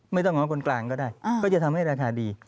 ไม่ต้องเอาคนกลางก็ได้ก็จะทำให้ราคาดี